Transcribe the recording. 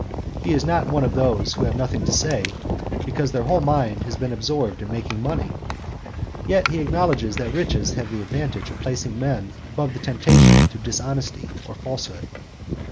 He is not one of those who have nothing to say, because their whole mind has been absorbed in making money. Yet he acknowledges that riches have the advantage of placing men above the temptation to dishonesty or falsehood.